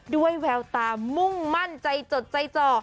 แววตามุ่งมั่นใจจดใจจ่อ